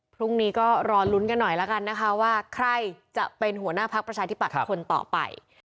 พรุ่งนี้ก็รอลุ้นกันหน่อยแล้วกันนะคะว่าใครจะเป็นหัวหน้าพักประชาธิปัตย์คนต่อไป